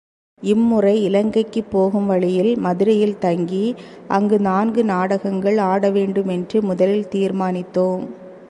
இம்முறை இலங்கைக்குப் போகும் வழியில் மதுரையில் தங்கி, அங்கு நான்கு நாடகங்கள் ஆட வேண்டுமென்று முதலில் தீர்மானித்தோம்.